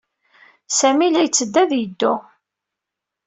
Sami la yetteddu ad yeddu.